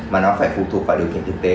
mà nó phải phụ thuộc vào điều kiện thực tế